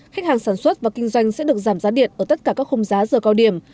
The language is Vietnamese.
khách hàng sản xuất và kinh doanh sẽ được giảm giá điện ở tất cả các khung giá giờ cao điểm